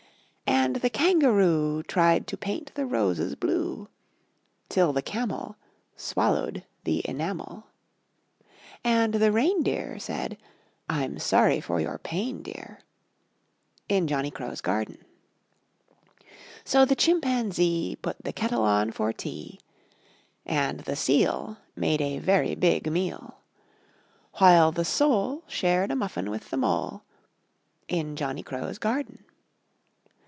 And the Kangaroo Tried to paint the Roses blue Till the Camel Swallowed the Enamel. And the Reindeer Said: "I'm sorry for your pain, dear!" In Johnny Crow's Garden. So the Chimpanzee Put the Kettle on for Tea; And the Seal Made a very big Meal; While the Sole Shared a Muffin with the Mole In Johnny Crow's Garden.